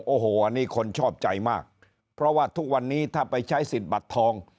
โอ้โหอันนี้คนชอบใจมากเพราะว่าทุกวันนี้ถ้าไปใช้สิทธิ์บัตรทอง